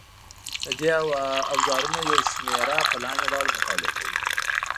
د دې اوزارونو یوه شمېره په لاندې ډول مطالعه کوو.